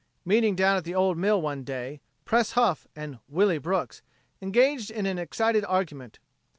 Meeting down at the old mill one day, Pres Huff and "Willie" Brooks engaged in an excited argument.